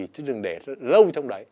chứ đừng để lâu trong đấy